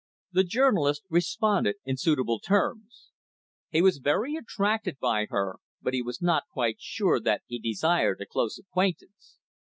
The journalist responded in suitable terms. He was very attracted by her, but he was not quite sure that he desired a close acquaintance.